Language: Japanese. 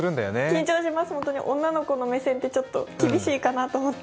緊張します、本当に、女の子の目線って、厳しいかなと思って